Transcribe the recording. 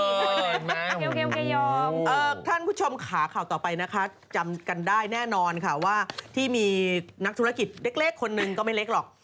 คุณผู้ชมท่านผู้ชมค่ะข่าวต่อไปนะคะจำกันได้แน่นอนค่ะว่าที่มีนักธุรกิจเล็กคนนึงก็ไม่เล็กหรอก